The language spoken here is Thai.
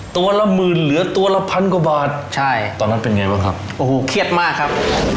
ตัวละหมื่นเหลือตัวละพันกว่าบาทใช่ตอนนั้นเป็นไงบ้างครับโอ้โหเครียดมากครับ